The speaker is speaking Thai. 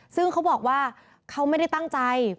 ซึ่งเขาบอกว่าเขาไม่ได้ตั้งใจ